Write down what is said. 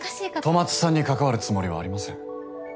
戸松さんに関わるつもりはありません。